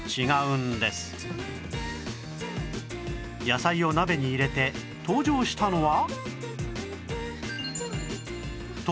野菜を鍋に入れて登場したのは